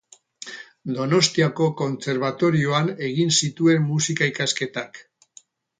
Donostiako Kontserbatorioan egin zituen Musika ikasketak.